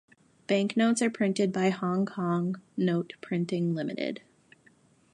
Banknotes are printed by Hong Kong Note Printing Limited.